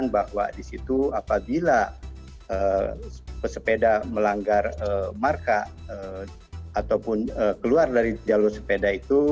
bahwa di situ apabila pesepeda melanggar marka ataupun keluar dari jalur sepeda itu